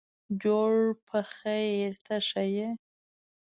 جوړ په خیرته ښه یې.